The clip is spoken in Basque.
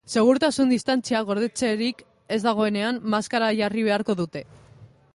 Segurtasun distantzia gordetzerik ez dagoenean, maskara jarri beharko dute.